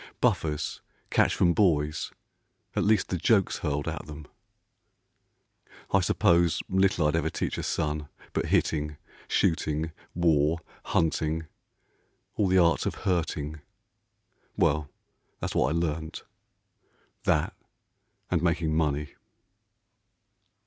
Buffers catch from boys At least the jokes hurled at them. I suppose Little I'd ever teach a son, but hitting, Shooting, war, hunting, all the arts of hurting. Well, that's what I learnt, — that, and making money.